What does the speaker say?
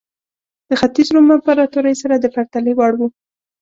د ختیځ روم امپراتورۍ سره د پرتلې وړ وه.